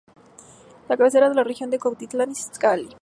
La cabecera de la región es Cuautitlán Izcalli